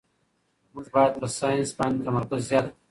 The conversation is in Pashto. موږ باید په ساینس باندې تمرکز زیات کړو